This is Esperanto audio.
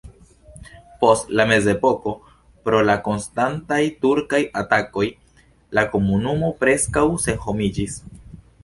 Post la mezepoko pro la konstantaj turkaj atakoj la komunumo preskaŭ senhomiĝis.